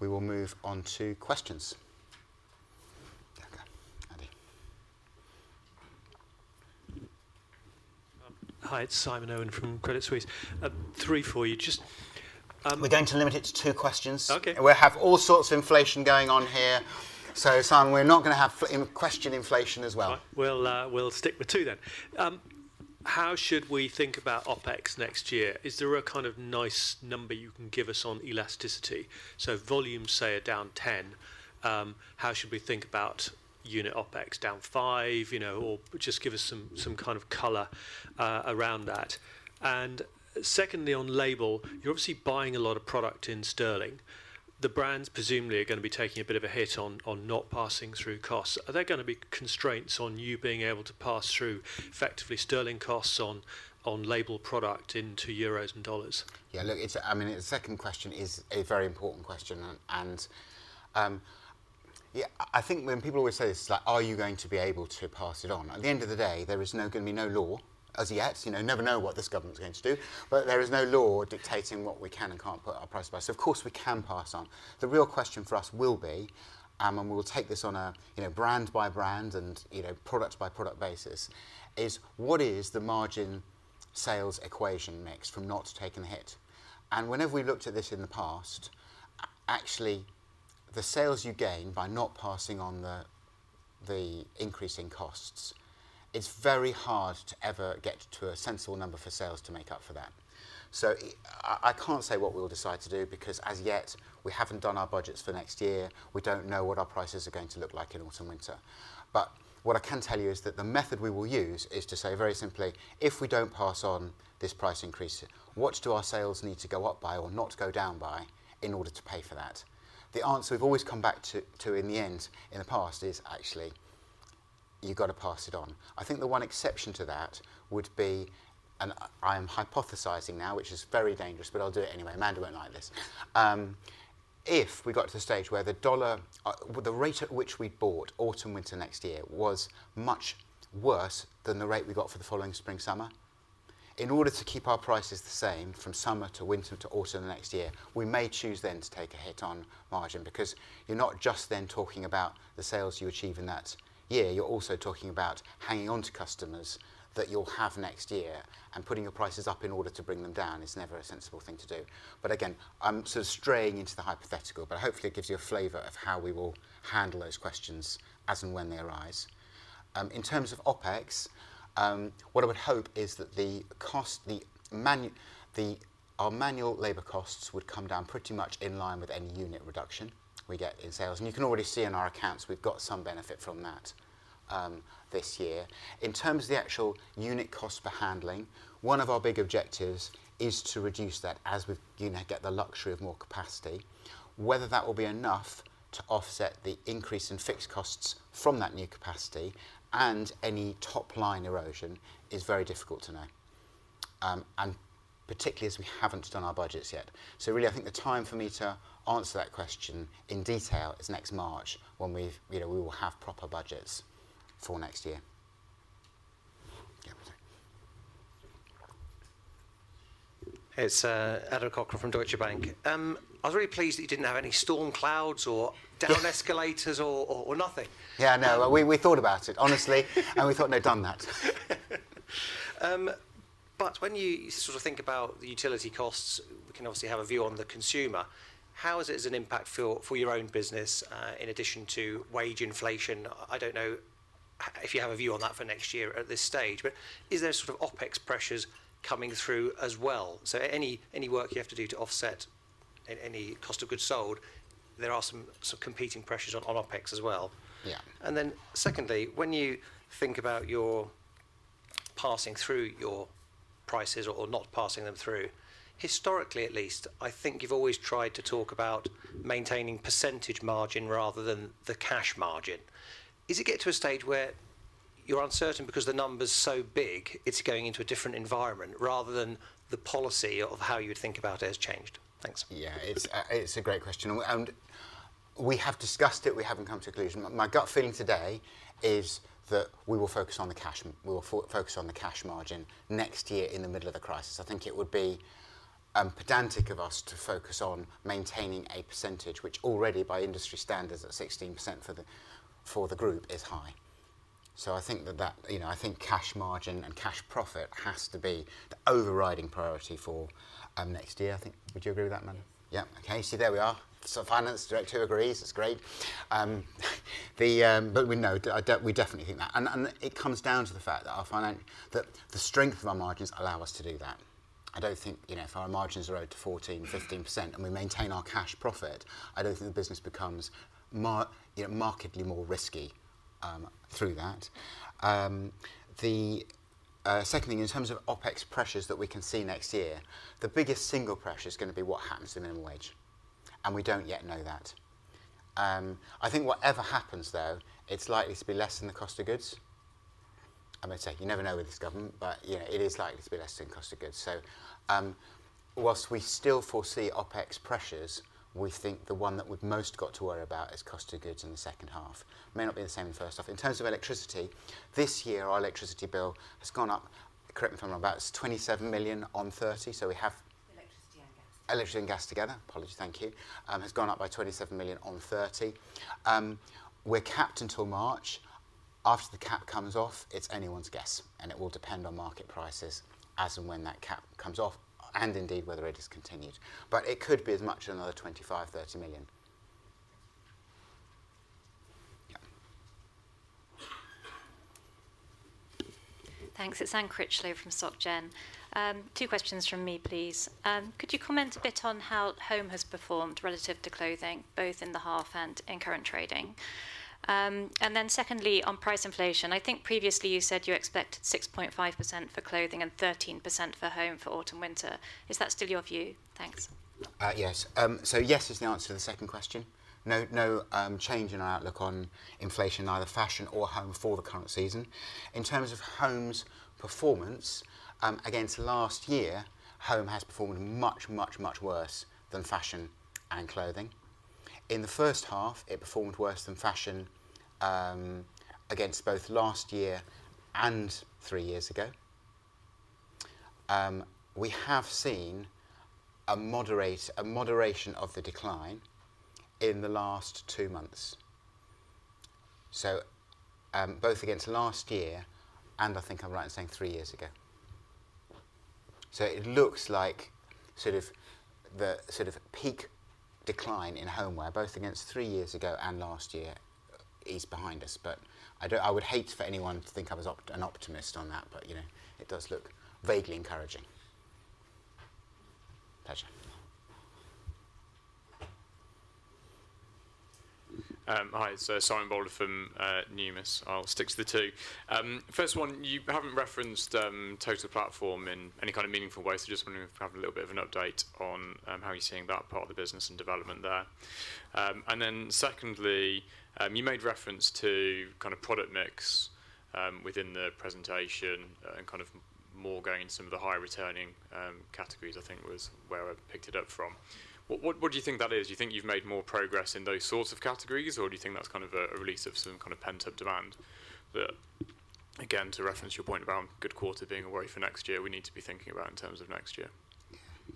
We will move on to questions. There we go, ready. Hi, it's Simon Irwin from Credit Suisse. Three for you, just. We're going to limit it to two questions. OK. We have all sorts of inflation going on here, so Simon, we're not going to have question inflation as well. We'll stick with two then. How should we think about OPEX next year? Is there a kind of nice number you can give us on elasticity? So volumes, say, are down 10. How should we think about unit OPEX? Down 5, you know, or just give us some kind of color around that? And secondly, on Label, you're obviously buying a lot of product in sterling. The brands presumably are going to be taking a bit of a hit on not passing through costs. Are there going to be constraints on you being able to pass through effectively sterling costs on labeled product into euros and dollars? Yeah, look, I mean, the second question is a very important question. And I think when people always say this, like, are you going to be able to pass it on? At the end of the day, there is no going to be no law as yet. You know, never know what this government's going to do. But there is no law dictating what we can and can't put our price by. So of course we can pass on. The real question for us will be, and we'll take this on a brand by brand and product by product basis, is what is the margin sales equation Next from not taking the hit? Whenever we looked at this in the past, actually, the sales you gain by not passing on the increasing costs, it's very hard to ever get to a sensible number for sales to make up for that. I can't say what we'll decide to do because as yet, we haven't done our budgets for next year. We don't know what our prices are going to look like in autumn and winter. What I can tell you is that the method we will use is to say very simply, if we don't pass on this price increase, what do our sales need to go up by or not go down by in order to pay for that? The answer we've always come back to in the end in the past is actually, you've got to pass it on. I think the one exception to that would be, and I'm hypothesizing now, which is very dangerous, but I'll do it anyway. Amanda won't like this. If we got to the stage where the dollar, the rate at which we bought autumn and winter next year was much worse than the rate we got for the following spring and summer, in order to keep our prices the same from summer to winter to autumn next year, we may choose then to take a hit on margin. Because you're not just then talking about the sales you achieve in that year. You're also talking about hanging on to customers that you'll have next year. And putting your prices up in order to bring them down is never a sensible thing to do. But again, I'm sort of straying into the hypothetical. But hopefully, it gives you a flavor of how we will handle those questions as and when they arise. In terms of OPEX, what I would hope is that our manual labor costs would come down pretty much in line with any unit reduction we get in sales. And you can already see in our accounts, we've got some benefit from that this year. In terms of the actual unit cost for handling, one of our big objectives is to reduce that as we get the luxury of more capacity. Whether that will be enough to offset the increase in fixed costs from that new capacity and any top-line erosion is very difficult to know. And particularly as we haven't done our budgets yet. So really, I think the time for me to answer that question in detail is next March when we will have proper budgets for next year. Hey, it's Adam Cochrane from Deutsche Bank. I was really pleased that you didn't have any storm clouds or down escalators or nothing. Yeah, no, we thought about it, honestly, and we thought, no, done that. But when you sort of think about the utility costs, we can obviously have a view on the consumer. How is it as an impact for your own business in addition to wage inflation? I don't know if you have a view on that for next year at this stage. But is there sort of OPEX pressures coming through as well? So any work you have to do to offset any cost of goods sold, there are some competing pressures on OPEX as well. Yeah. Then, secondly, when you think about passing through your prices or not passing them through, historically at least, I think you've always tried to talk about maintaining percentage margin rather than the cash margin. Is it getting to a stage where you're uncertain because the number's so big, it's going into a different environment rather than the policy of how you would think about it has changed? Thanks. Yeah, it's a great question, and we have discussed it. We haven't come to a conclusion. My gut feeling today is that we will focus on the cash. We will focus on the cash margin next year in the middle of the crisis. I think it would be pedantic of us to focus on maintaining a percentage, which already by industry standards at 16% for the group is high. So I think that, you know, I think cash margin and cash profit has to be the overriding priority for next year. I think. Would you agree with that, Amanda? Yeah. Yeah, okay. You see, there we are, so Finance Director agrees. That's great, but we know. We definitely think that, and it comes down to the fact that the strength of our margins allow us to do that. I don't think, you know, if our margins are over 14%, 15%, and we maintain our cash profit, I don't think the business becomes markedly more risky through that. The second thing, in terms of OPEX pressures that we can see next year, the biggest single pressure is going to be what happens to minimum wage. And we don't yet know that. I think whatever happens, though, it's likely to be less than the cost of goods. I'm going to say, you never know with this government, but it is likely to be less than the cost of goods. So whilst we still foresee OPEX pressures, we think the one that we've most got to worry about is cost of goods in the second half. May not be the same in the first half. In terms of electricity, this year our electricity bill has gone up, correct me if I'm wrong, about 27 million on 30 million. So we have. Electricity and gas. Electricity and gas together. Apologies. Thank you. Has gone up by 27 million on 30. We're capped until March. After the cap comes off, it's anyone's guess, and it will depend on market prices as and when that cap comes off and indeed whether it is continued, but it could be as much as another 25 million-30 million. Thanks. It's Anne Critchlow from SocGen. Two questions from me, please. Could you comment a bit on how home has performed relative to clothing, both in the half and in current trading? And then secondly, on price inflation, I think previously you said you expected 6.5% for clothing and 13% for home for autumn and winter. Is that still your view? Thanks. Yes. So yes is the answer to the second question. No change in our outlook on inflation, either fashion or home for the current season. In terms of home's performance, against last year, home has performed much, much, much worse than fashion and clothing. In the first half, it performed worse than fashion against both last year and three years ago. We have seen a moderation of the decline in the last two months. So both against last year and I think I'm right in saying three years ago. So it looks like sort of the sort of peak decline in homeware, both against three years ago and last year, is behind us. But I would hate for anyone to think I was an optimist on that. But it does look vaguely encouraging. Pleasure. Hi. So, Simon Bowler from Numis. I'll stick to the two. First one, you haven't referenced Total Platform in any kind of meaningful way. So just wondering if you have a little bit of an update on how you're seeing that part of the business and development there. And then secondly, you made reference to kind of product mix within the presentation and kind of more going into some of the higher returning categories, I think, was where I picked it up from. What do you think that is? Do you think you've made more progress in those sorts of categories? Or do you think that's kind of a release of some kind of pent-up demand that, again, to reference your point about good quarter being a worry for next year, we need to be thinking about in terms of next year?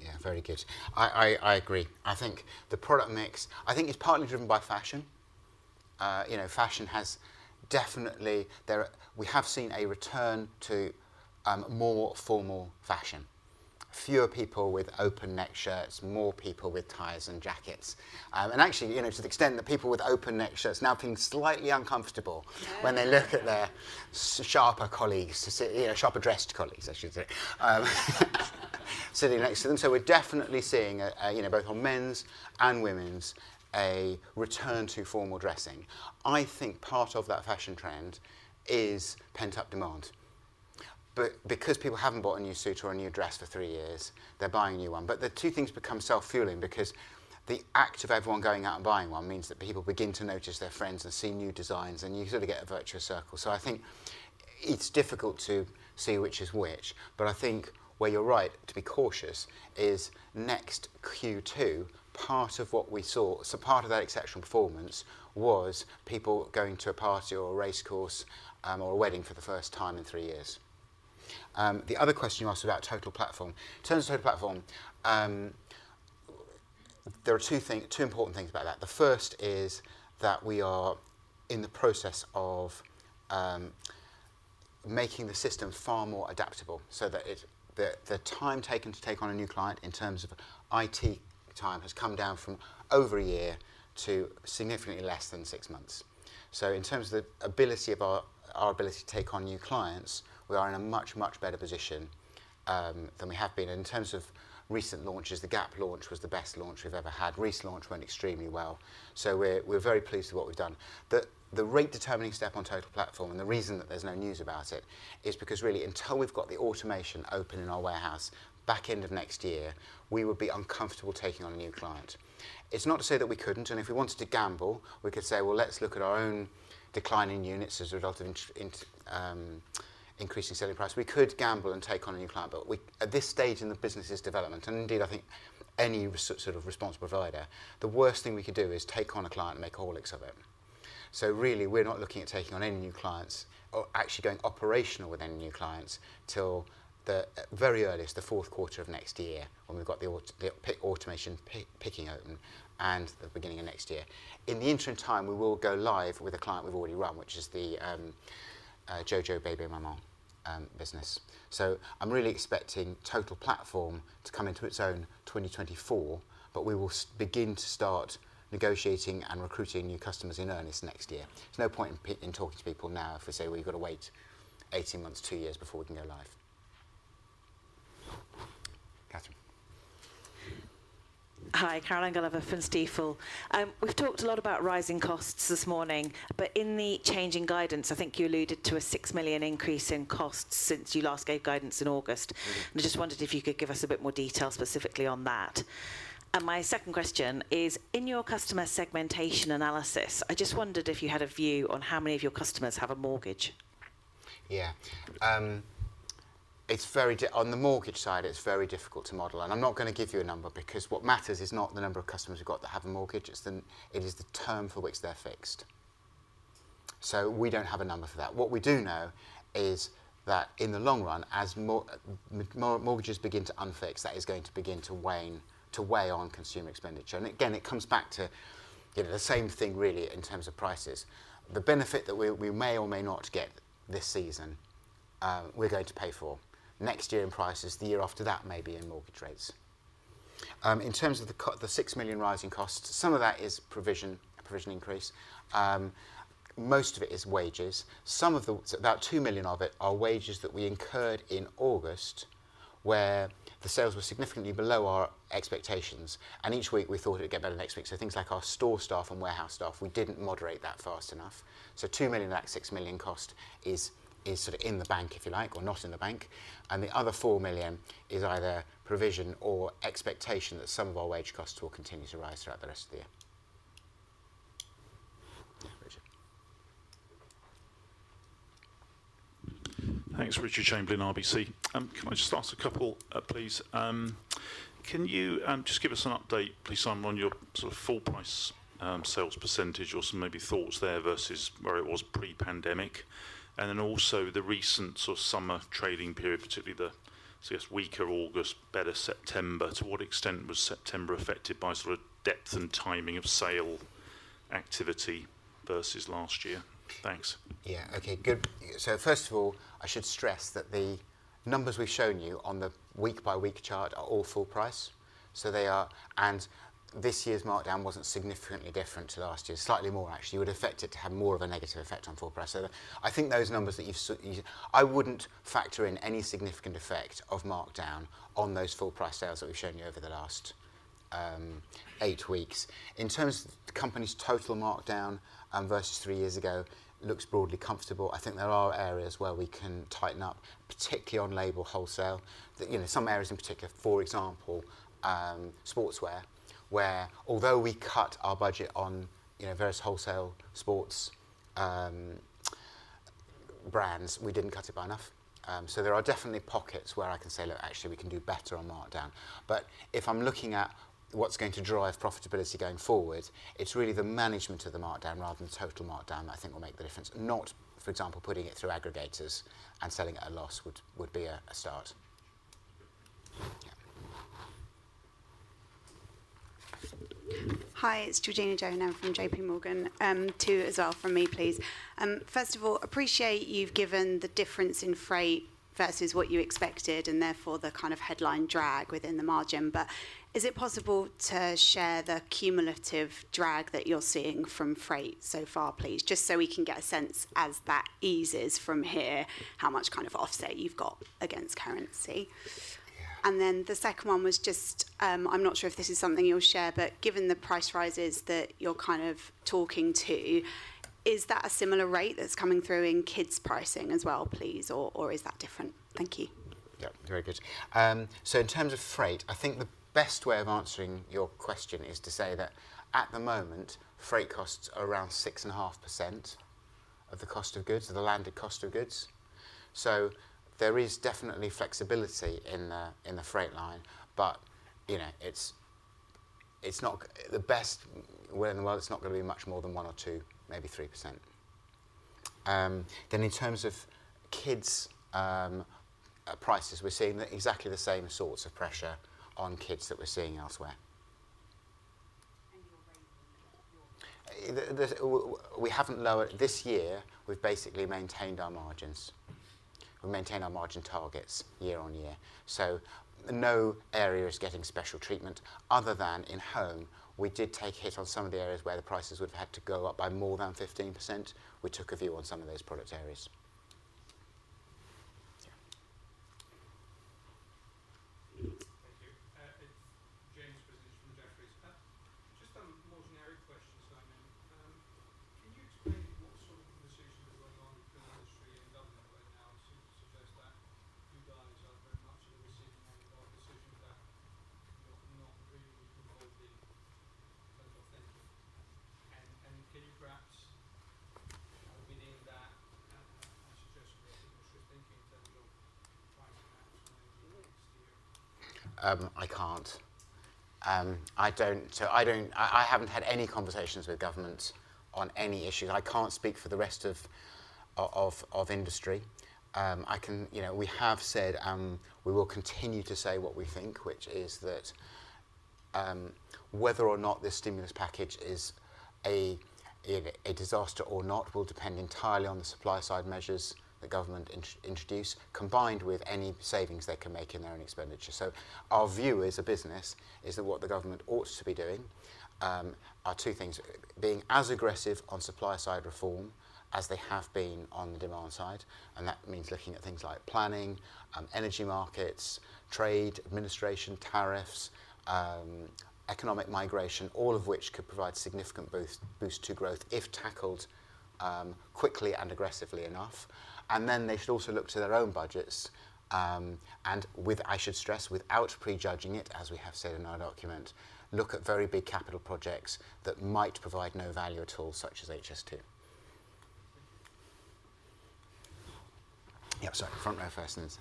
Yeah, very good. I agree. I think the product mix, I think, is partly driven by fashion. Fashion has definitely we have seen a return to more formal fashion. Fewer people with open-neck shirts, more people with ties and jackets, and actually, to the extent that people with open-neck shirts now feel slightly uncomfortable when they look at their sharper colleagues, sharper-dressed colleagues, I should say, sitting next to them, so we're definitely seeing both on men's and women's a return to formal dressing. I think part of that fashion trend is pent-up demand, but because people haven't bought a new suit or a new dress for three years, they're buying a new one, but the two things become self-fueling because the act of everyone going out and buying one means that people begin to notice their friends and see new designs, and you sort of get a virtuous circle. So I think it's difficult to see which is which. But I think where you're right to be cautious is Next Q2, part of what we saw. So part of that exceptional performance was people going to a party or a race course or a wedding for the first time in three years. The other question you asked about Total Platform. In terms of Total Platform, there are two important things about that. The first is that we are in the process of making the system far more adaptable so that the time taken to take on a new client in terms of IT time has come down from over a year to significantly less than six months. So in terms of the ability of our ability to take on new clients, we are in a much, much better position than we have been. In terms of recent launches, the Gap launch was the best launch we've ever had. Reiss launch went extremely well. We're very pleased with what we've done. The rate determining step on Total Platform and the reason that there's no news about it is because really, until we've got the automation open in our warehouse back end of next year, we would be uncomfortable taking on a new client. It's not to say that we couldn't. If we wanted to gamble, we could say, well, let's look at our own declining units as a result of increasing selling price. We could gamble and take on a new client. At this stage in the business's development, and indeed, I think any sort of service provider, the worst thing we could do is take on a client and make a whole exhibit. Really, we're not looking at taking on any new clients or actually going operational with any new clients till the very earliest, the fourth quarter of next year when we've got the automation picking open and the beginning of next year. In the interim time, we will go live with a client we've already won, which is the JoJo Maman Bébé business. I'm really expecting Total Platform to come into its own 2024. We will begin to start negotiating and recruiting new customers in earnest next year. There's no point in talking to people now if we say, well, you've got to wait 18 months, two years before we can go live. Caroline. Hi, Caroline Gulliver from Stifel. We've talked a lot about rising costs this morning. But in the changing guidance, I think you alluded to a 6 million increase in costs since you last gave guidance in August. And I just wondered if you could give us a bit more detail specifically on that. And my second question is, in your customer segmentation analysis, I just wondered if you had a view on how many of your customers have a mortgage. Yeah. On the mortgage side, it's very difficult to model. And I'm not going to give you a number because what matters is not the number of customers we've got that have a mortgage. It is the term for which they're fixed. So we don't have a number for that. What we do know is that in the long run, as mortgages begin to unfix, that is going to begin to weigh on consumer expenditure. And again, it comes back to the same thing, really, in terms of prices. The benefit that we may or may not get this season, we're going to pay for next year in prices. The year after that, maybe in mortgage rates. In terms of the six million rising costs, some of that is provision, a provision increase. Most of it is wages. About 2 million of it are wages that we incurred in August, where the sales were significantly below our expectations. And each week, we thought it would get better next week. So things like our store staff and warehouse staff, we didn't moderate that fast enough. So 2 million of that 6 million cost is sort of in the bank, if you like, or not in the bank. And the other 4 million is either provision or expectation that some of our wage costs will continue to rise throughout the rest of the year. Yeah, Richard. Thanks, Richard Chamberlain, RBC. Can I just ask a couple, please? Can you just give us an update, please, Simon, on your sort of full price sales percentage or some maybe thoughts there versus where it was pre-pandemic? And then also the recent sort of summer trading period, particularly the, I guess, weaker August, better September. To what extent was September affected by sort of depth and timing of sale activity versus last year? Thanks. Yeah, OK. Good. So first of all, I should stress that the numbers we've shown you on the week-by-week chart are all full price. And this year's markdown wasn't significantly different to last year. Slightly more, actually. It would have affected to have more of a negative effect on full price. So I think those numbers. I wouldn't factor in any significant effect of markdown on those full price sales that we've shown you over the last eight weeks. In terms of the company's total markdown versus three years ago, it looks broadly comfortable. I think there are areas where we can tighten up, particularly on Label wholesale. Some areas in particular, for example, sportswear, where although we cut our budget on various wholesale sports brands, we didn't cut it by enough. So there are definitely pockets where I can say, look, actually, we can do better on markdown. But if I'm looking at what's going to drive profitability going forward, it's really the management of the markdown rather than total markdown that I think will make the difference. Not, for example, putting it through aggregators and selling at a loss, would be a start. Hi, it's Georgina Johanan from JPMorgan. Two as well from me, please. First of all, appreciate you've given the difference in freight versus what you expected and therefore the kind of headline drag within the margin. But is it possible to share the cumulative drag that you're seeing from freight so far, please, just so we can get a sense as that eases from here how much kind of offset you've got against currency? And then the second one was just I'm not sure if this is something you'll share. But given the price rises that you're kind of talking to, is that a similar rate that's coming through in kids' pricing as well, please? Or is that different? Thank you. Yeah, very good. So in terms of freight, I think the best way of answering your question is to say that at the moment, freight costs are around 6.5% of the cost of goods, of the landed cost of goods. So there is definitely flexibility in the freight line. But it's not the best way in the world. It's not going to be much more than 1% or 2%, maybe 3%. Then in terms of kids' prices, we're seeing exactly the same sorts of pressure on kids that we're seeing elsewhere. Your rate and your. We haven't lowered this year. We've basically maintained our margins. We've maintained our margin targets year on year. So no area is getting special treatment other than in home. We did take a hit on some of the areas where the prices would have had to go up by more than 15%. We took a view on some of those product areas. Thank you. It's James Grzinic from Jefferies here. Just a more generic question, Simon. Can you explain what sort of conversation is going on in the industry in Dublin right now to suggest that you guys are very much in the receiving end of our decisions that you're not really involved in in terms of thinking? And can you perhaps within that suggest what the industry is thinking in terms of price caps going into next year? I can't. I haven't had any conversations with governments on any issues. I can't speak for the rest of industry. We have said we will continue to say what we think, which is that whether or not this stimulus package is a disaster or not will depend entirely on the supply-side measures that government introduces combined with any savings they can make in their own expenditure. So our view as a business is that what the government ought to be doing are two things: being as aggressive on supply-side reform as they have been on the demand side. And that means looking at things like planning, energy markets, trade, administration, tariffs, economic migration, all of which could provide significant boosts to growth if tackled quickly and aggressively enough. And then they should also look to their own budgets. I should stress, without prejudging it, as we have said in our document, look at very big capital projects that might provide no value at all, such as HS2. Yeah, sorry. Front row first. John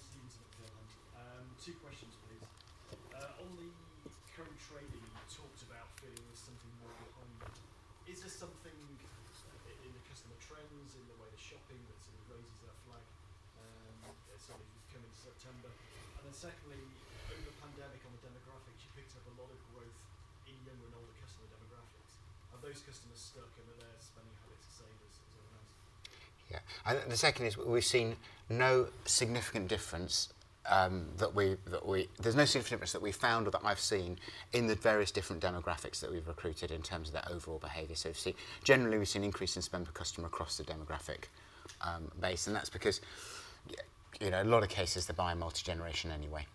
Stevens in Dublin. Two questions, please. On the current trading, you talked about feeling there's something more behind. Is there something in the customer trends, in the way they're shopping that sort of raises a red flag as something is coming to September? And then secondly, over the pandemic, on the demographics, you picked up a lot of growth in younger and older customer demographics. Are those customers stuck in that their spending habits to save as well? Yeah, and the second is we've seen no significant difference that we've found or that I've seen in the various different demographics that we've recruited in terms of their overall behavior. So generally, we've seen an increase in spend per customer across the demographic base. And that's because in a lot of cases, they buy multi-generation anyway.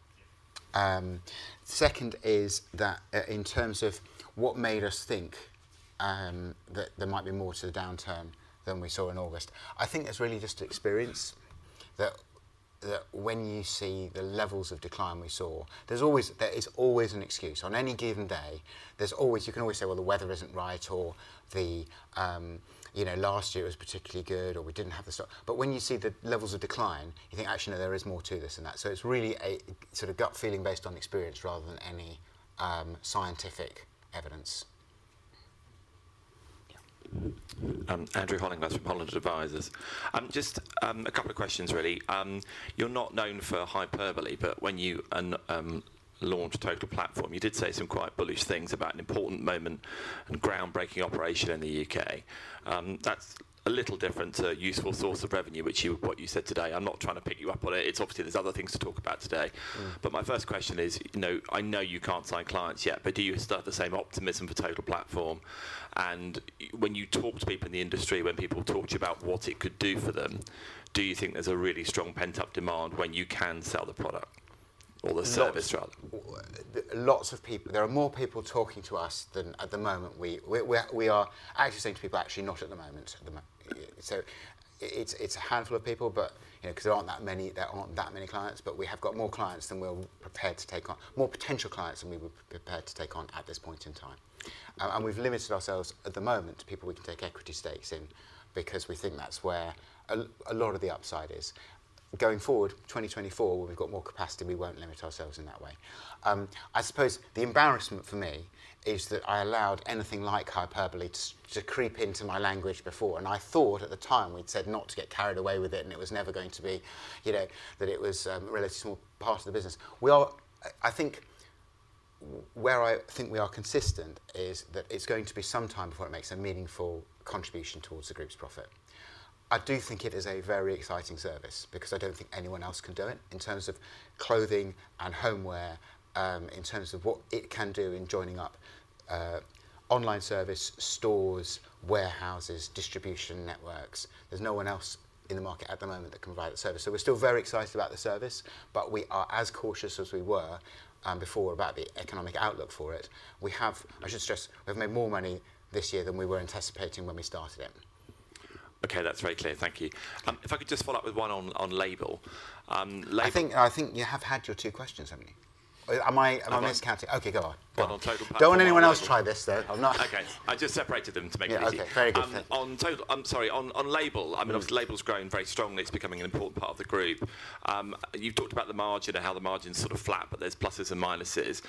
The second is that in terms of what made us think that there might be more to the downturn than we saw in August, I think it's really just experience that when you see the levels of decline we saw, there is always an excuse. On any given day, you can always say, well, the weather isn't right, or last year was particularly good, or we didn't have the stock. But when you see the levels of decline, you think, actually, no, there is more to this than that. So it's really a sort of gut feeling based on experience rather than any scientific evidence. Yeah. Andrew Hollingworth, Holland Advisors. Just a couple of questions, really. You're not known for hyperbole. But when you launched Total Platform, you did say some quite bullish things about an important moment and groundbreaking operation in the UK. That's a little different to a useful source of revenue, which you said today. I'm not trying to pick you up on it. It's obviously there's other things to talk about today. But my first question is, I know you can't sign clients yet. But do you still have the same optimism for Total Platform? And when you talk to people in the industry, when people talk to you about what it could do for them, do you think there's a really strong pent-up demand when you can sell the product or the service rather? Lots of people. There are more people talking to us than at the moment. We are actually saying to people, actually, not at the moment. So it's a handful of people because there aren't that many clients. But we have got more clients than we're prepared to take on, more potential clients than we were prepared to take on at this point in time. And we've limited ourselves at the moment to people we can take equity stakes in because we think that's where a lot of the upside is. Going forward, 2024, when we've got more capacity, we won't limit ourselves in that way. I suppose the embarrassment for me is that I allowed anything like hyperbole to creep into my language before. And I thought at the time we'd said not to get carried away with it. It was never going to be that it was a relatively small part of the business. I think where I think we are consistent is that it's going to be some time before it makes a meaningful contribution towards the group's profit. I do think it is a very exciting service because I don't think anyone else can do it in terms of clothing and homeware, in terms of what it can do in joining up online service, stores, warehouses, distribution networks. There's no one else in the market at the moment that can provide that service. We're still very excited about the service. We are as cautious as we were before about the economic outlook for it. I should stress, we've made more money this year than we were anticipating when we started it. OK, that's very clear. Thank you. If I could just follow up with one on Label. I think you have had your two questions, haven't you? Am I miscounting? OK, go on. On Total Platform. Don't want anyone else to try this, though. OK, I just separated them to make it easy. OK, very good. On Label, I mean, obviously, Label's grown very strongly. It's becoming an important part of the group. You've talked about the margin and how the margin's sort of flat, but there's pluses and minuses.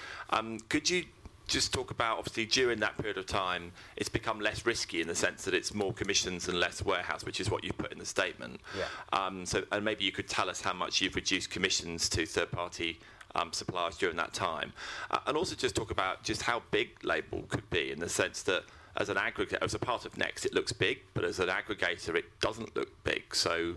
Could you just talk about, obviously, during that period of time, it's become less risky in the sense that it's more commissions and less warehouse, which is what you've put in the statement? And maybe you could tell us how much you've reduced commissions to third-party suppliers during that time. And also just talk about just how big Label could be in the sense that as an aggregator, as a part of Next, it looks big. But as an aggregator, it doesn't look big. So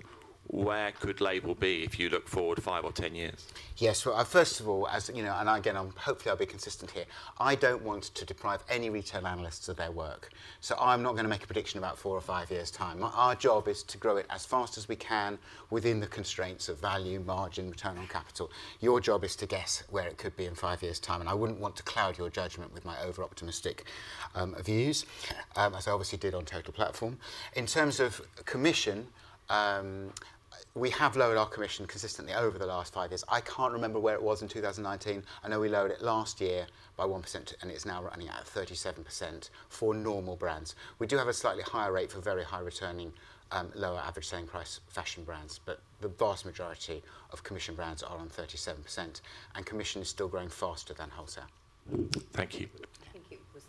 where could Label be if you look forward five or ten years? Yes. Well, first of all, and again, hopefully, I'll be consistent here. I don't want to deprive any retail analysts of their work. So I'm not going to make a prediction about four or five years' time. Our job is to grow it as fast as we can within the constraints of value, margin, return on capital. Your job is to guess where it could be in five years' time. And I wouldn't want to cloud your judgment with my over-optimistic views, as I obviously did on Total Platform. In terms of commission, we have lowered our commission consistently over the last five years. I can't remember where it was in 2019. I know we lowered it last year by 1%. And it's now running at 37% for normal brands. We do have a slightly higher rate for very high-returning, lower average selling price fashion brands. But the vast majority of commission brands are on 37%. And commission is still growing faster than wholesale. Thank you. I think it was 39%.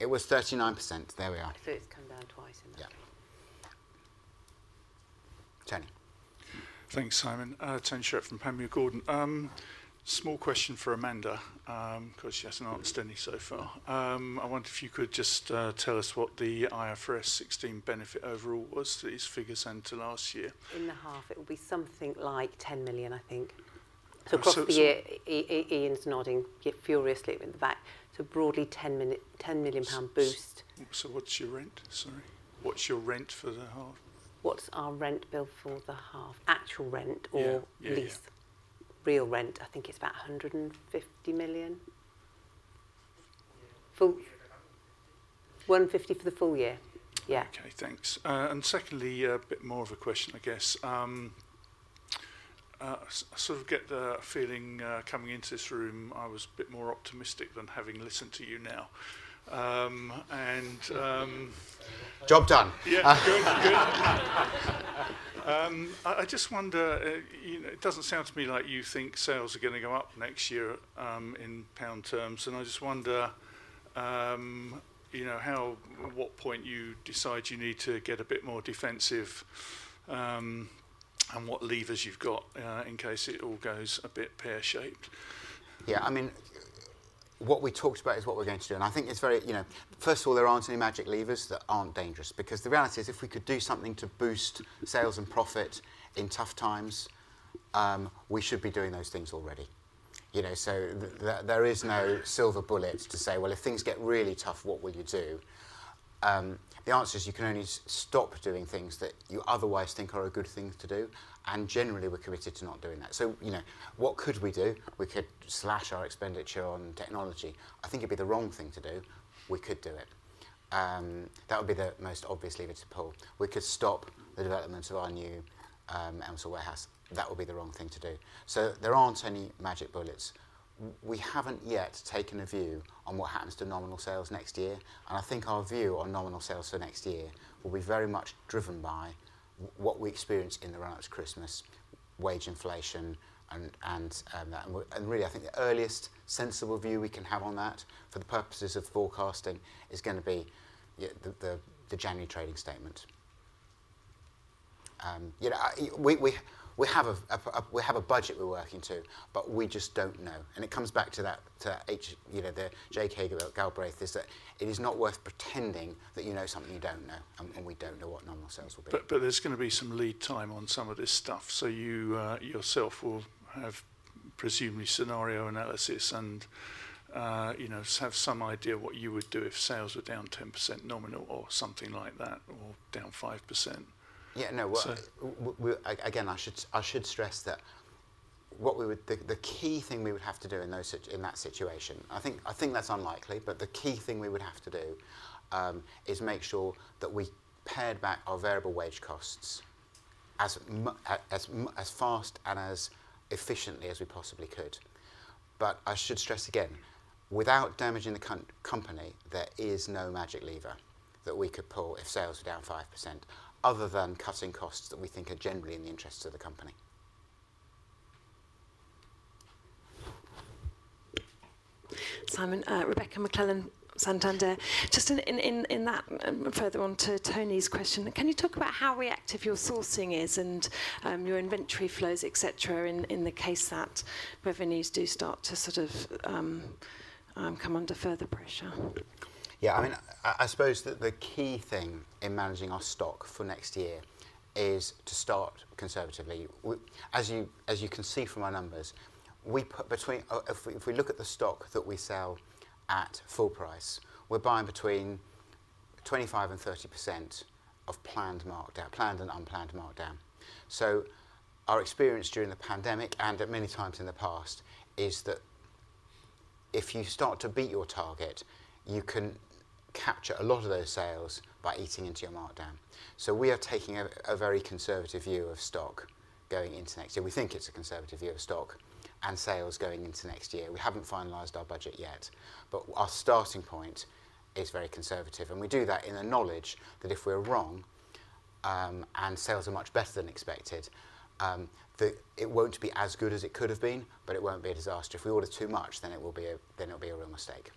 It was 39%. There we are. So it's come down twice in that case. Yeah. Thanks, Simon. Tony Shiret from Panmure Gordon. Small question for Amanda because she hasn't answered any so far. I wonder if you could just tell us what the IFRS 16 benefit overall was for these figures end to last year? In the half, it will be something like 10 million, I think. So across the year, Ian's nodding furiously in the back. So broadly, 10 million pound boost. So what's your rent? Sorry. What's your rent for the half? What's our rent bill for the half? Actual rent or lease? Real rent, I think it's about 150 million. 150 for the full year. Yeah. OK, thanks. And secondly, a bit more of a question, I guess. I sort of get the feeling coming into this room I was a bit more optimistic than having listened to you now. And. Job done. Yeah, good. I just wonder, it doesn't sound to me like you think sales are going to go up next year in pound terms. And I just wonder at what point you decide you need to get a bit more defensive and what levers you've got in case it all goes a bit pear-shaped. Yeah, I mean, what we talked about is what we're going to do. And I think it's very first of all, there aren't any magic levers that aren't dangerous. Because the reality is, if we could do something to boost sales and profit in tough times, we should be doing those things already. So there is no silver bullet to say, well, if things get really tough, what will you do? The answer is you can only stop doing things that you otherwise think are a good thing to do. And generally, we're committed to not doing that. So what could we do? We could slash our expenditure on technology. I think it'd be the wrong thing to do. We could do it. That would be the most obvious lever to pull. We could stop the development of our new Elmsall warehouse. That would be the wrong thing to do. So there aren't any magic bullets. We haven't yet taken a view on what happens to nominal sales next year. And I think our view on nominal sales for next year will be very much driven by what we experience in the run-up to Christmas, wage inflation. And really, I think the earliest sensible view we can have on that for the purposes of forecasting is going to be the January trading statement. We have a budget we're working to. But we just don't know. And it comes back to Jake Galbraith. Is that it? It is not worth pretending that you know something you don't know. And we don't know what nominal sales will be. But there's going to be some lead time on some of this stuff. So you yourself will have presumably scenario analysis and have some idea what you would do if sales were down 10% nominal or something like that or down 5%. Yeah, no. Again, I should stress that the key thing we would have to do in that situation, I think that's unlikely. But the key thing we would have to do is make sure that we pared back our variable wage costs as fast and as efficiently as we possibly could. But I should stress again, without damaging the company, there is no magic lever that we could pull if sales were down 5% other than cutting costs that we think are generally in the interests of the company. Simon, Rebecca McClellan, Santander. Just further on to Tony's question, can you talk about how reactive your sourcing is and your inventory flows, et cetera, in the case that revenues do start to sort of come under further pressure? Yeah, I mean, I suppose that the key thing in managing our stock for next year is to start conservatively. As you can see from our numbers, if we look at the stock that we sell at full price, we're buying between 25% and 30% of planned and unplanned markdown. So our experience during the pandemic and many times in the past is that if you start to beat your target, you can capture a lot of those sales by eating into your markdown. So we are taking a very conservative view of stock going into next year. We think it's a conservative view of stock and sales going into next year. We haven't finalized our budget yet. But our starting point is very conservative. And we do that in the knowledge that if we're wrong and sales are much better than expected, it won't be as good as it could have been. But it won't be a disaster. If we order too much, then it will be a real mistake.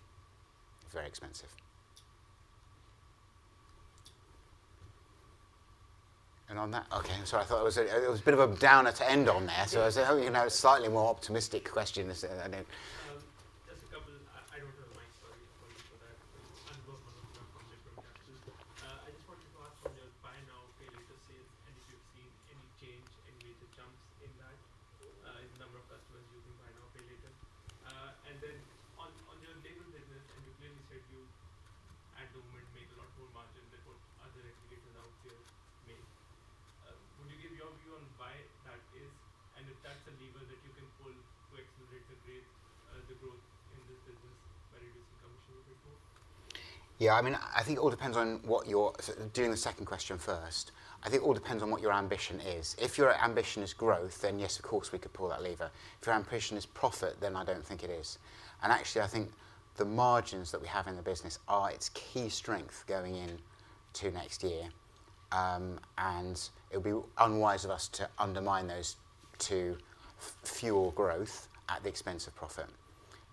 It's very expensive. And on that, OK, I'm sorry. I thought it was a bit of a downer to end on there. So I was going to have a slightly more optimistic question. I just wanted to ask on your Buy Now, Pay Later sales and if you've seen any change, any major jumps in that, in the number of customers using Buy Now, Pay Later. And then on your Label business, and you clearly said you at the moment make a lot more margin than what other aggregators out there make. Would you give your view on why that is? And if that's a lever that you can pull to accelerate the growth in this business by reducing commission a bit more? Yeah, I mean, I think it all depends on what you're doing the second question first. I think it all depends on what your ambition is. If your ambition is growth, then yes, of course, we could pull that lever. If your ambition is profit, then I don't think it is, and actually, I think the margins that we have in the business are its key strength going into next year, and it would be unwise of us to undermine those to fuel growth at the expense of profit.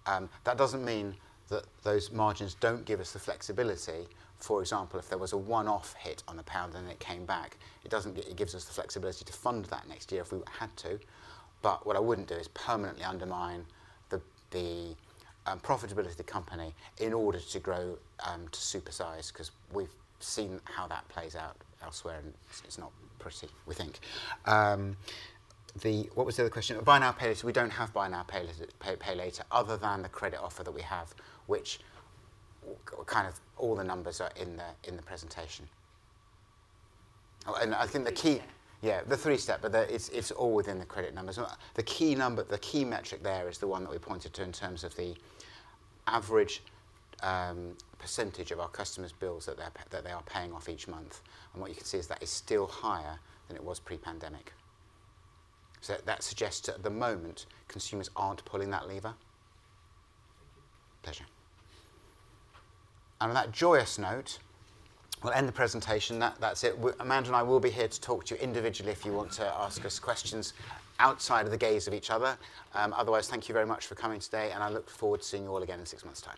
That doesn't mean that those margins don't give us the flexibility. For example, if there was a one-off hit on the pound and then it came back, it gives us the flexibility to fund that next year if we had to. But what I wouldn't do is permanently undermine the profitability of the company in order to grow to super-size because we've seen how that plays out elsewhere. And it's not pretty, we think. What was the other question? Buy now, pay later. We don't have buy now, pay later other than the credit offer that we have, which kind of all the numbers are in the presentation. And I think the key yeah, the three-step. But it's all within the credit numbers. The key metric there is the one that we pointed to in terms of the average percentage of our customers' bills that they are paying off each month. And what you can see is that is still higher than it was pre-pandemic. So that suggests at the moment consumers aren't pulling that lever. Thank you. Pleasure. And on that joyous note, we'll end the presentation. That's it. Amanda and I will be here to talk to you individually if you want to ask us questions outside of the gaze of each other. Otherwise, thank you very much for coming today. And I look forward to seeing you all again in six months' time.